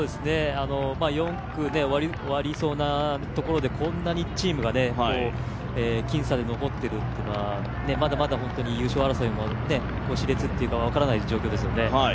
４区、割りそうなところでこんなにチームが僅差で残っているというのはまだまだ優勝争いも、し烈というか、分からない状況ですよね。